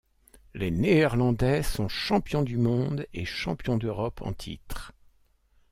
Les Néerlandais sont champions du monde et champions d'Europe en titre.